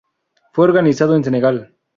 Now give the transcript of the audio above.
Fue organizado en Senegal.